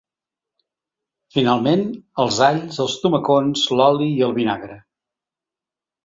Finalment, els alls, els tomacons, l’oli i el vinagre.